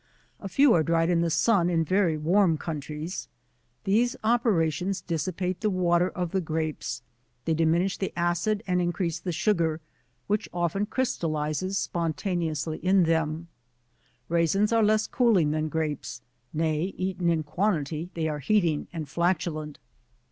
A few are dried in the sun in very wann countries. These operations dissipate the water of the Grapes ; they diminish the acid and increase the sugar, which often crystallizes spontaneously in thenu Raisins are less cooling than Grapes ; nay, eaten in quantity, they are heating and flatulent.